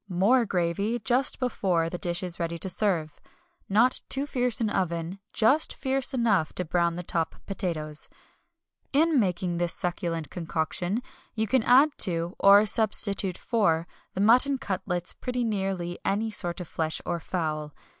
More gravy just before the dish is ready to serve. Not too fierce an oven, just fierce enough to brown the top potatoes. In making this succulent concoction you can add to, or substitute for, the mutton cutlets pretty nearly any sort of flesh or fowl.